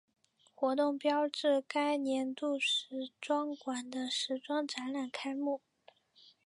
活动标志该年度时装馆的时装展览开幕。